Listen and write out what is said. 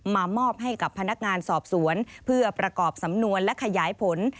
มามอบให้กับพนักงานสอบสวนเพื่อประกอบสำนวนและขยายผล